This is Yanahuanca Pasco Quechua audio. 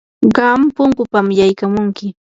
qam punkupam yaykamunki.